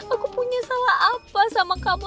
aku punya salah apa sama kamu